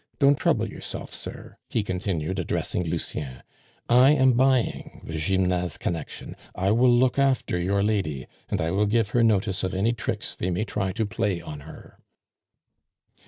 Don't trouble yourself, sir," he continued, addressing Lucien; "I am buying the Gymnase connection, I will look after your lady, and I will give her notice of any tricks they may try to play on her."